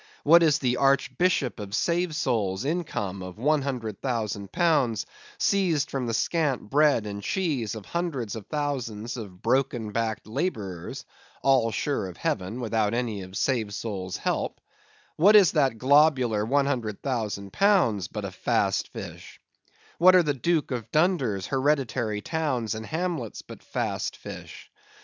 What is the Archbishop of Savesoul's income of £100,000 seized from the scant bread and cheese of hundreds of thousands of broken backed laborers (all sure of heaven without any of Savesoul's help) what is that globular £100,000 but a Fast Fish? What are the Duke of Dunder's hereditary towns and hamlets but Fast Fish?